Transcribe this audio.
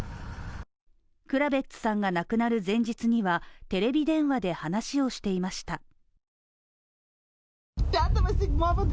クラベッツさんが亡くなる前日にはテレビ電話で話をしていました。